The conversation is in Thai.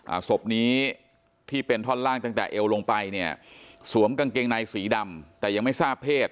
ศพนี้ที่เป็นท่อนล่างตั้งแต่เอวลงไปเนี่ยสวมกางเกงในสีดำแต่ยังไม่ทราบเพศ